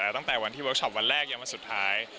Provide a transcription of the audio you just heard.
ตั้งแต่วันที่เวิร์คชอปวันแรกยังวันสุดท้าย